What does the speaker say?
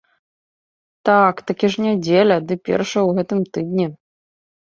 Так, такі ж нядзеля, ды першая ў гэтым тыдні.